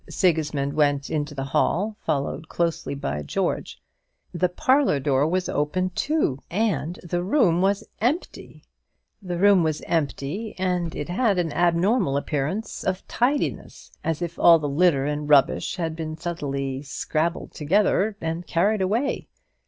Sigismund went into the hall, followed closely by George. The parlour door was open too, and the room was empty the room was empty, and it had an abnormal appearance of tidiness, as if all the litter and rubbish had been suddenly scrambled together and carried away.